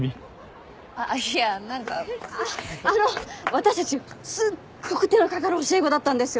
私たちすっごく手の掛かる教え子だったんですよ。